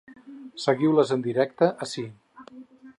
Seguiu-les en directe ací.